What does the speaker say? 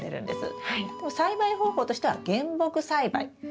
栽培方法としては原木栽培。